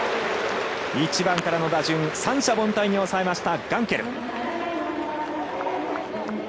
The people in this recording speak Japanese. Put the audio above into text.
１番からの打順三者凡退に抑えました。